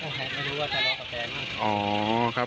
ไม่รู้ว่าทะเลาะกับแฟนหรือครับ